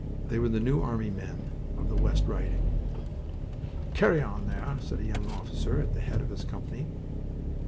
They were the New Army men of the West Riding. "Carry on there," said a young officer at the head of his company.